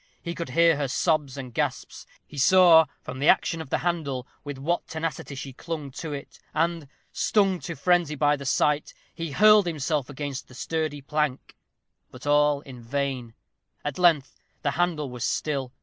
He could hear her sobs and gasps. He saw, from the action of the handle, with what tenacity she clung to it; and, stung to frenzy by the sight, he hurled himself against the sturdy plank, but all in vain. At length the handle was still.